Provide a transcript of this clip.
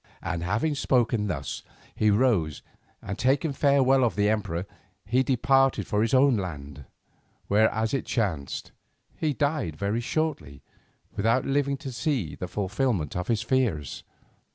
And having spoken thus, he rose, and taking farewell of the emperor, he departed for his own land, where, as it chanced, he died very shortly, without living to see the fulfilment of his fears.